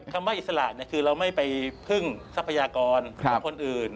คำว่าอิสระคือเราไม่ไปพึ่งทรัพยากรของคนอื่น